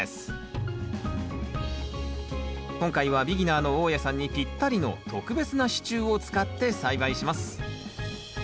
今回はビギナーの大家さんにぴったりの特別な支柱を使って栽培します